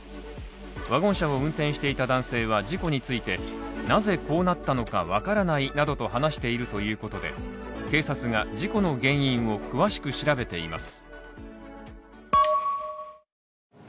ワゴン車を運転していた男性は事故について、なぜこうなったのかわからないなどと話しているということで、警察が事故の原因を詳しく調べています。